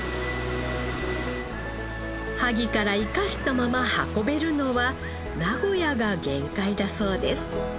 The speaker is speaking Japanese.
萩から生かしたまま運べるのは名古屋が限界だそうです。